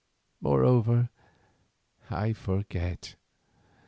Moreover, I forget.